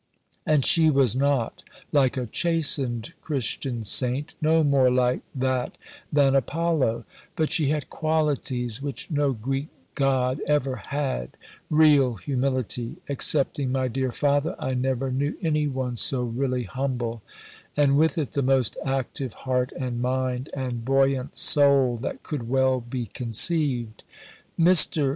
And she was not like a chastened Christian saint: no more like that than Apollo; but she had qualities which no Greek God ever had real humility (excepting my dear Father, I never knew any one so really humble), and with it the most active heart and mind and buoyant soul that could well be conceived." Mr.